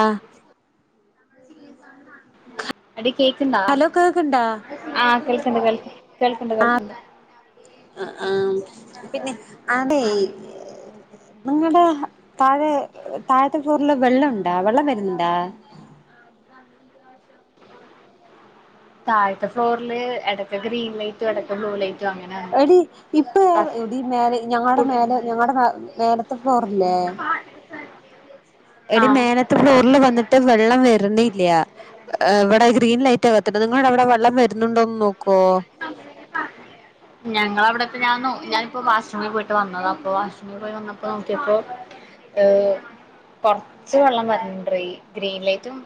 ആഹ് എടി കേക്കണ്ടാ ഹലോ കേക്ക്ണ്ടാ ആഹ് കേൾിക്കണ്ട് കേ കേൾക്കണ്ട് കേൾക്കണ്ട് ആഹ് ആഹ് പിന്നെ അതെ ഞങ്ങടെ താഴെ താഴത്തെക്കൂറില് വെള്ളുണ്ടാ വെള്ളം വരുന്നുണ്ടാ എ താഴ്ത്തെ ഫ്ലോറില് എടക്ക് ഗ്രീൻ ലൈറ്റും എടക്ക് ബ്ലൂ ലൈറ്റ് എടി ഇപ്പ ഇടി മേലെ ഞങ്ങളടെ കുടി മേലെ ഞങ്ങളടെ മേല ഫ്ലോറില്ലേ എടി ആഹ് മേലത്ത് ഫ്ലോറില് വന്നിട്ട് വെള്ളം വരുന്നെ ല്ല്യ ഇവിടെ ഗ്രീൻ ലൈറ്റാ കത്തിട്ടണ്ട് നിങ്ങുടെ അവിടെ വെള്ളം വരുന്നുണ്ടോന്ന് നോക്ക കോ ഞങ്ങള അവിടുത്തെ ഞാന് ഞാനിപ്പോ വാശ് റൂമിൽ പോയിട്ട് വന്നതാ അപ്പം വാശ്റൂമിൽ പോയി വന്നപ്പോ നേക്ക്യപ്പോ ഏ കൊറച്ച് വെള്ളം വരുന്നുണ്ട് ഗ്രീൻ ലൈറ്റും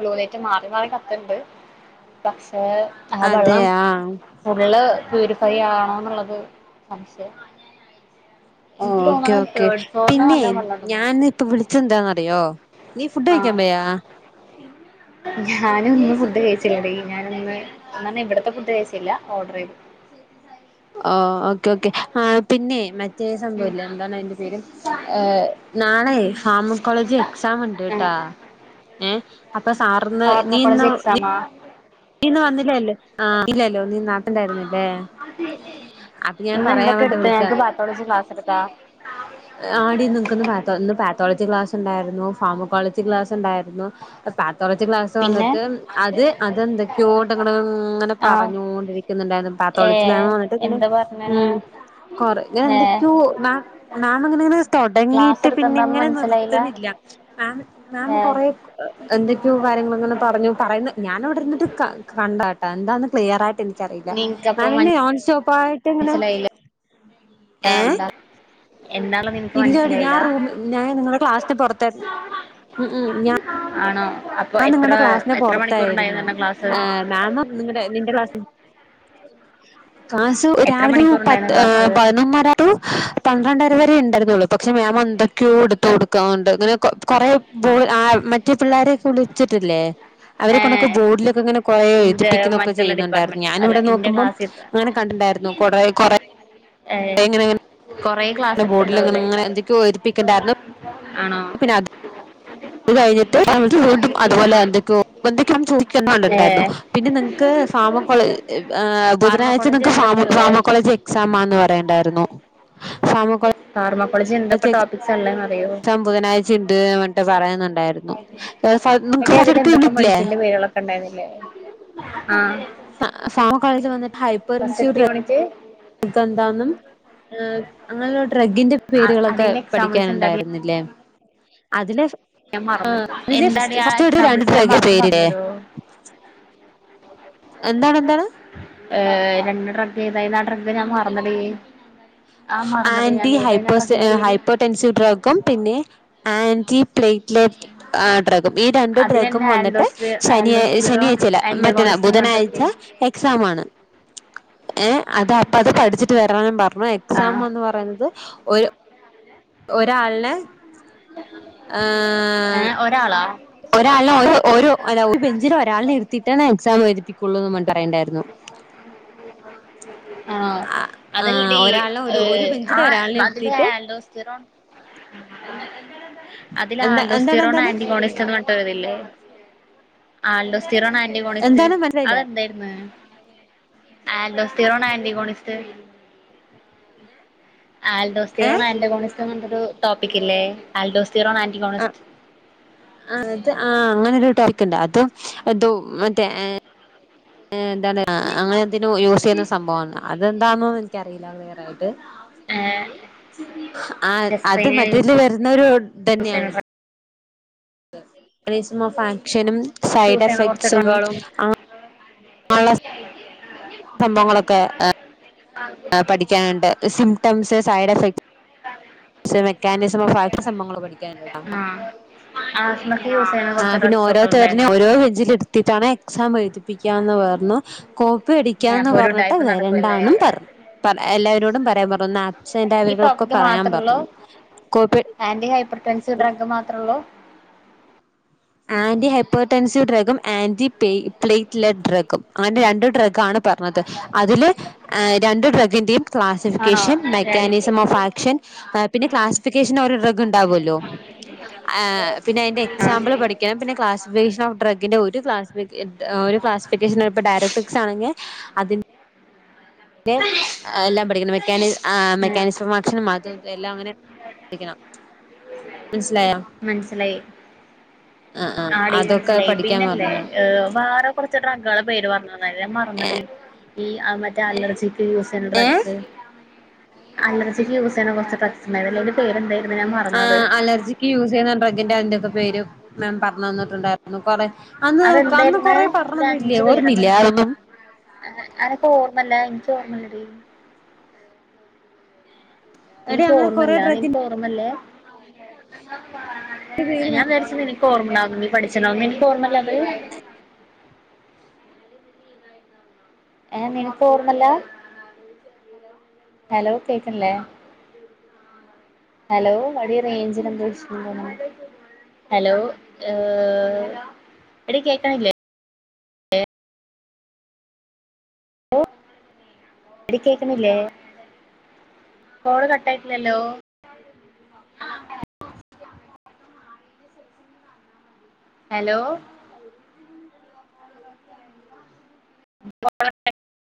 ബ്ലൂ ലൈറ്റും മാറി മാറി കത്തിണ്ട് പക്ഷെ ആ അതെ വെള്ളം ആഹ് ഫുള്ള് പ്യൂരിഫൈ ആണോ എന്നുള്ളത് സംശയം എനിക്ക് ഓക്കെ തോന്നണ് ഓക്കെ തേർഡ് ഫ്ലോറില് പിന്നെ നല്ലോമ് വെള്ളൊണ്ടന്ന് തോന്ന ഞാനിപ്പ വിളിച്ചെന്താന്നറിയോ നീ ഫുഡ് ആ കഴിക്കാൻ പോയാ ഞാൻ ഞാൻ ഇന്നും ഫുഡ് കഴിച്ചില്ലടി ഞാനിന്ന് ഇവിടത്തെ ഫുഡ് കഴിച്ചില്ലാ ഓർഡർ ചെയ്തു ഓക്കെ ഓക്കെ ആ പിന്നെയെ ഉം ഫീസൊന്നുമില്ല എന്താണ് അതിന്റെ പേര് നാളെയെ ഫാർമക്കോളജിൽ എക്സാം ആഹ് ഉണ്ടട്ടാ ഏ അപ്പൊ സാറിന്ന് ഫാർമക്കോളജി നീയിന്ന് നി എക്സാമാ നീയിന്ന് വന്നില്ലല്ലോ ആ ഇല്ലല്ലോ നീ നാട്ടിലായിരുന്നല്ലേ ഇന്നെന്തൊക്കെയെടുത്തെ നമ്മുക്ക് പാത്തോളജി ക്ലാസ് എടുത്ത ആടി നിങ്ങക്കിന്ന് പാത്തോളജി പാത്തോ പാത്തോളജി ക്ലാസ് ഉണ്ടായിരുന്നു ഫാർമക്കോളജി ക്ലാസ് ഉണ്ടായിരുന്നു പാ പാത്തോളജി ക്ലാസ് പിന്നെ വന്നിട്ട് അത് അതെന്തൊ ക്കയോട്ട്ങ്ങനെ ആഹ് പറഞ്ഞോണ്ടിരിക്കുന്നുണ്ടായിരുന്നു പാത്തോളജി ഏഹ് മാമ് വന്നിട്ട് ങ്ങനെ എന്താ പറഞ്ഞേ ഉം കൊറെ ഏഹ് ഇങ്ങനെന്തൊക്കെയോ മാമ് മാമിങ്ങനെ ഇങ്ങനെ ക്ലാസ് തുടങ്ങിയിട്ട് പിന്നെ എടുത്തെന്താന്ന് ഇങ്ങനെ മനസ്സിലായില്ല നിർത്തണില്ല മാമ് മാമ് ഏഹ് കൊറെ എന്തൊക്കെയോ കാര്യങ്ങളിങ്ങനെ പറഞ്ഞു പറയുന്നെ ഞാനവിടെയിരുന്നിട്ട് ക കണ്ടാട്ടാ എന്താന്ന് ക്ലിയറായിട്ട് എനിക്ക് ക്കറില്ലാ നിനക്കപ്പം മാമിൻ്റെ നോൺ സ്റ്റോപ്പ് ആയിട്ട് ഇങ്ങനെ മനസ്സിലായില്ല ഏ എന്താ എന്താന്ന് നിനക്ക് ഇല്ലടി ഞാൻ മനസ്സിലായില്ല റൂമി ഞാൻ നിങ്ങളടെ ക്ലാസ്സിൻ്റെ പൊറത്താരുന്നു [inaudible] ആണോ അപ്പൊ ഞാൻ എത്ര നിങ്ങളുടെ ക്ലാസിന് എത്ര പുറത്തായിരുന്നു മണിക്കൂറുണ്ടായിരുന്നു ക്ലാസ് ഏഹ് മാം നിങ്ങളുടെ നിന്റെ ക്ലാസ്സിൽ ക്ലാസ് എത്ര രാവിലെ മണിക്കൂറുണ്ടായിരുന്നു പത്ത് ക്ലാസ് പതിനൊന്നര റ്റൂ പന്ത്രണ്ടര വരെ ഇണ്ടാരുന്നുള്ളൂ പക്ഷെ മാമ് എന്തൊക്യോ എടുത്തു കൊടുക്കാഒണ്ട് ഇങ്ങനെ കൊ കൊറെ പോ മറ്റേ പിള്ളേര് വച്ചിട്ടില്ലേ അവരെക്കൊണ്ടൊക്കെ ഏഹ് ബോർഡിലൊക്കിങ്ങനെ കൊറേ ഇന്റെ എഴുതിപ്പിക്കുന്നൊക്കെ മറ്റുള്ള ചെയ്യുന്നുണ്ടാരുന്നു ഡിപ്പാർട്ട്മെന്റ് അല്ല ഞാനിവിടെ നിന്ന് ഇന്റെ നോക്കുബം ക്ലാസ്സിൽ അങ്ങനെ കണ്ടി ണ്ടാരുന്നു കൊറെ കൊറെ ഏ കൊറെ ക്ലാസ് ബോർഡിൽ എടുത്തിട്ടുണ്ടാവൂല്ലേ ഇങ്ങനെ എന്തൊക്കെയോ എഴുതിപ്പിക്കണ്ടായിരുന്നു ആണോ [unintelligible] ഫാമ ഏഹ് കോളേജ് ബുധനാഴ്ച ഫാർമക്കോളജി നിങ്ങക്ക് ഫാമ എന്തൊക്കെ ഉള്ളെ ഫാർമ കോളേജ് എക്സാം ആന്ന് പറയണ്ടാരുന്നോ [unintelligible] ഫാർമക്കോളജി എന്തൊക്കെ ടോപിക്സാ ഒള്ളേന്ന് അറയോ ഇണ്ടാരുന്നു [unintelligible] നിങ്ങക്ക് എടി ക്ലാസ്സ് അതിൽ എടുത്തു എന്തൊക്കെ കഴിഞ്ഞിട്ടില്ലേ മെഡിസിന്റെ പേരുകളൊക്കെ ഉണ്ടായിരുന്നില്ലേ ആഹ് ഫാമ കോളേജിൽ വന്നിട്ട് ഹൈപ്പറൻസി ഫസ്റ്റ്ത്തെ ഡ്രൈവി യൂണിറ്റ് നമക്കെന്താന്നും അങ്ങനെയുള്ള ഡ്രഗ്ഗിന്റെ പേരുകളൊക്കെ അതിന്റെ എക്സാമ്പിൾസ് എന്താടി പഠിക്കാനുണ്ടായിരുന്നില്ലേ [unintelligible] അതിലെ ഞാൻ മറന്ന് അതിലെ എന്താടി ഫസ്റ്റ് ആ ഫസ്റ്റ് ഒരു രണ്ട് എക്സാമ്പിൾസ് ഞാൻ ഡ്രഗ് മറന്ന് പേരില്ലേ പറഞ്ഞരോ എന്താണ് എന്താണ് [inaudible] ഏ രണ്ട് ഡ്രഗ്ഗ് ഏതായിരുന്ന് ആ ഡ്രഗ്ഗ് ഞാൻ മറന്നെടി ആ മറന്നെടി ഞാൻ ആന്റി ഏതായിരുന്നു ആ ഹൈപ്പേർസ് ഡ്രഗിന്റെ പേര് ഹൈപ്പോടെൻസിവ് ഡ്രഗും പിന്നെ ആന്റി പ്ലേ [unintelligible] [unintelligible] ഈ രണ്ട് ഡ്രഗ്ഗും അതിലെന്നെ വന്നിട്ട് ആൽഡോസ് ശനിയാ ആൽഡോസ്റ്റിറോൺ ശനിയാഴ്ച്ച അല്ല മറ്റന്നാ ആന്റഗോണിസ്റ്റ് എന്ന് പറഞ്ഞിട്ടൊരു ബുധനാഴ്ച്ച എക്സാ മാണ് ഏ അത് അപ്പ അത് പഠിച്ചിട്ട് വരാനും പറഞ്ഞു ആഹ് എക്സാം എന്ന് പറയുന്നത് ഒരു ഒരാളിനെ ആ ഏ ഒരാളാ ഒരാളെ ഒരു അല്ല ഒരു ബെഞ്ചില് ഒരാളിനെ ഇരുത്തിട്ടാണ് എക്സാം എഴുതിപ്പിക്കുള്ളുന്ന് പറയുണ്ടായിരുന്നു [inaudible] ആ ആഹ് അതല്ലെടി ഒരാളിനെ ഏ ഒരു ഒരു ബെഞ്ചിൽ ആ ഒരാളിനെ അതിലെ ഇരുത്തിയിട്ട് അൽതോസ്റ്റിറോൺ [inaudible] [unintelligible] [unintelligible] എന്താ ആോണിസ്റ്റ് എന്താണ് എന്താണ് എന്താണ് മനസ്സിലായില്ല അതെന്തായിരുന്നു [inaudible] [unintelligible] എണ്ട കോണിസ്റ്റ്. ആൽഡോസ്റ്ററോണ് ഏഹ് [unintelligible] ഒരു ടോപ്പിക്കല്ലേ ആൽഡോസ്. ആ ആത് ആ അങ്ങനെരു [unintelligible] ഉണ്ട്. [unintelligible] മറ്റേ എന്ത അങ്ങനെന്തതിനും യൂസ് ചെയ്യുന്ന സംഭവാണ് അതെന്താണന്ന് എനിക്കറിയില്ല ക്ലിയറായിട്ട്.. ആഹ ആ അത് മറ്റതില് വരുന്നരു യൂസ് ചെയ്യണ തന്നെയാണ്. ണിസം ഓഫ് ആക്ഷനും ഡ്രഗ് സൈഡ് യൂസ് ചെയ്യണ കുറച്ച് എഫക്ട്സും.. ഡ്രഗുകളും അളസ് [inaudible] പഠിക്കാനുണ്ട് സിംറ്റംസ് സൈഡ് എഫക്ട്.. പക്ഷെ മെക്കാനിസമോ ഫാക്ടറി സംഭങ്ങളോ പഠിക്കാൻണ്ടാട്ടാ.. ആഹ് ആസ്മക്ക് യൂസ് ചെയ്യണ ആ കുറച്ച് പിന്നെ ഡ്രഗ്സ് ഒക്കെ ഓരോരുത്തരന ഉണ്ടായിരുന്നു ഓരോ ബെഞ്ചില ഇരുത്തിട്ടാണ് എക്സാം എഴുതി. ന്ന് പറഞ്ഞു കോപ്പി അടിക്കാന്ന് അപ്പൊ ഒരു പറഞ്ഞിട്ട് ഉടായിപ്പ് വര നടക്കുവല്ലേ ഉണ്ടാന്നു പറഞ്ഞു. എല്ലാവരോടും പറയാൻ പറഞ്ഞു ആപ്സെന്റ് ഈ അവരോൊക്കെ ടോപ്പിക്ക് പറയാൻ മാത്രള്ളൂ പറഞ്ഞു. Copy anti hypertensive drug മാത്രേള്ളൂ.. ആന്റി ഹൈപ്പട്ടൻസിവ് ഡ്രഗും ആന്റി പ പ്ലേറ്റ് ലഡ്ഡ്രഗും അങ്ങനെ രണ്ടു ഡ്രഗാ ആണ്. പറഞ്ഞത് അതില് രണ്ട് ഡ്രഗിന്റെയും. ആണോ ക്ലാസിഫിക്കേഷൻ മെക്കാനിസം ഓഫ് ആക്ഷൻ. പിന്നെ ക്ലാസിഫിക്കേഷൻ ഓരോ ടഗ [unintelligible] ഉണ്ടാാവുമല്ലോ പിന്നെ അതിന്റെ ആഹ് എക്സാമ്പിൾ പഠിക്ക.. പിന്നെ ക്ലാസിഫേഷൻ ഓഫ് ഡ്രഗ്ന്ന്റെഒരു [unintelligible] ക്ലാസിഫ [unintelligible] ഒരു ക്ലാസിഫേഷ ഡയറക്ടിക്സ്ആണെന്നെ ആണെങ്കിൽ. അതിന് പിന്നെ എല്ലാം പഠിക്കണം മെക്കാനി് ഉം മെക്കാനിസ് പ്രമാക്ഷണം അതും. എല്ലാം അങ്ങനെ ശിക്കണം [unintelligible] മനസിലായി. ആ ആ അതൊക്കെ ആടിമനസ്സിലായി പഠിക്കാൻ പിന്നല്ലേ വേറെ കുറച്ച് ഡഗകെ പേര് പറഞ്ഞു തന്ന. പറഞ്ഞു മറന്നടിഈ ആ മറ്റേ അലർജിക്ക് യൂസ് ചെയ്യുന്ന ഏ ഡ്രഗ്സ്. അലർജി ക്ക് യൂസ് ചെയ്യുന്ന കുറച്ച് ഡ്രസ്സ് ഉണ്ടായിരുന്നു അല്ലെ അതിന്റെ പേരെന്ത.. ആ് അലർജിക്ക് യൂസ് ചെയ്യുന്നതിന്റെ അതിന്റെൊക്കെ പേര് മാം പറഞ്ഞു തന്നിട്ടുണ്ടായിരുന്നു കൊറെ. അന്ന് അന്ന് അതെന്തായിരുന്നു കൊറെേ പറഞ്ഞു തന്നില്ലേ ഓർമ്മയില്ലേ ആരൊന്നും.. അനപ്പോ ഓർമ്മല്ല എനിക്ക്ഓർമ്മല്ലടി. എടി എനിക്ക് അങ്ങനെ കൊറെ ഓർമ്മല്ല അ ഡ്രഗിന്റെ എനിക്ക് ഓർമ്മല്ലേ. ഞാൻ ധരിച്ച എനിക്ക് ഓർമ്മളകുന്നു നീ പഠിച്ചനാവുന്നു എനിക്ക് ഓർമ്മല്ല അത്. ഉ [inaudible] ഏ നിനക്ക് ഓർമല്ല. ഹലോ കേക്കണ്ല്ലേ. ഹലോ വടിയ റേഞ്ചിൽ എന്തോ ഇഷു. ഹലോ ഏ എടികേൾക്കണില്ലേ. ഹലോ എടികേക്കുണില്ലേ. കോള് കട്ട ആായിട്ടില്ലല്ലോ. ഹലോ ള [unintelligible] [unintelligible]